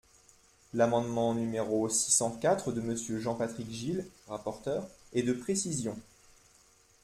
L’amendement numéro six cent quatre de Monsieur Jean-Patrick Gille, rapporteur, est de précision.